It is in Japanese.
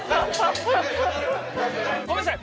ごめんなさい